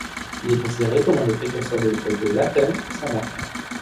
Il est considéré comme l'un des précurseurs de l'École de Laethem-Saint-Martin.